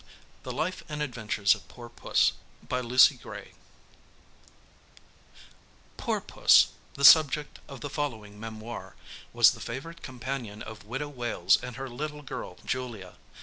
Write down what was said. _ THE LIFE AND ADVENTURES OF POOR PUSS. Poor Puss, the subject of the following memoir, was the favourite companion of Widow Wales and her little girl Julia.